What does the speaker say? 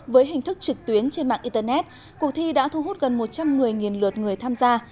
với hình thức trực tuyến trên mạng internet cuộc thi đã thu hút gần một trăm một mươi lượt người tham gia